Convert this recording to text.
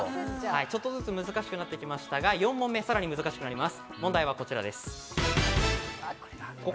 ちょっとずつ難しくなってきましたが、４問目、さらに難しくなります